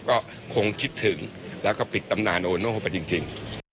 ก็คงคิดถึงแล้วก็ปิดตำนานโอโน่เข้าไปจริง